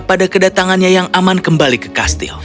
pada kedatangannya yang aman kembali ke kastil